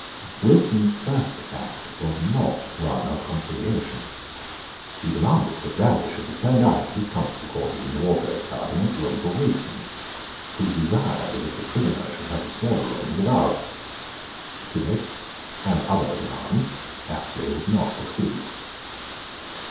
Wilson's first act was not one of conciliation. He demanded that Raleigh should be turned out of his comfortable quarters in the Wardrobe Tower to make room for Wilson, who desired that the prisoner should have the smaller rooms above. To this, and other demands, Apsley would not accede.